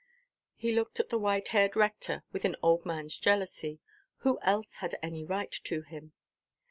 He looked at the white–haired rector, with an old manʼs jealousy. Who else had any right to him?